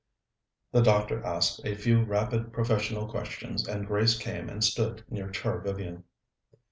The doctor asked a few rapid professional questions, and Grace came and stood near Char Vivian.